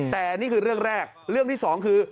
แต่นี่คือเรื่องแรกเรื่องที่สองคือ